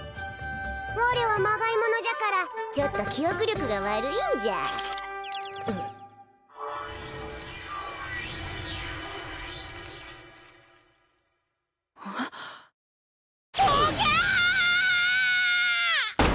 我はまがいものじゃからちょっと記憶力が悪いんじゃうっおぎゃああ！